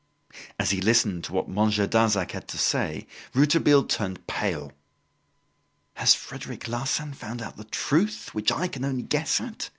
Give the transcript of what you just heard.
As he listened to what Monsieur Darzac had to say, Rouletabille turned pale. "Has Frederic Larsan found out the truth, which I can only guess at?"